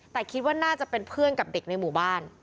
แต่คิดว่าน่าจะเป็นเพื่อนกับเด็กในหมู่บ้าน